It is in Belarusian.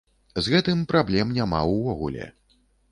З гэтым праблем няма ўвогуле.